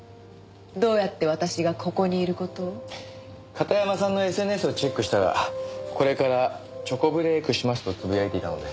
片山さんのＳＮＳをチェックしたら「これからチョコブレークします」と呟いていたので。